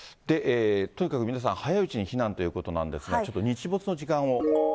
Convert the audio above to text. とにかく皆さん、早いうちに避難ということなんですが、ちょっと日没の時間を。